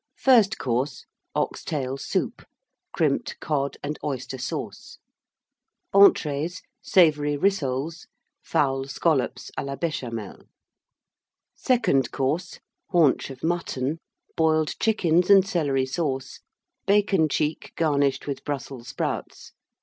FIRST COURSE. Ox tail Soup. Crimped Cod and Oyster Sauce. ENTREES. Savoury Rissoles. Fowl Scollops à la Béchamel. SECOND COURSE. Haunch of Mutton. Boiled Chickens and Celery Sauce. Bacon cheek, garnished with Brussels Sprouts.